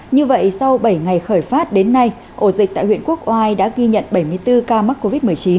như vậy sau bảy ngày khởi phát đến nay ổ dịch tại huyện quốc oai đã ghi nhận bảy mươi bốn ca mắc covid một mươi chín